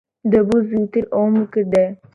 دەبوو زووتر ئەوەم بکردایە.